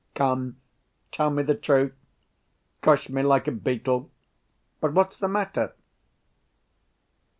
Come, tell me the truth. Crush me like a beetle. But what's the matter?"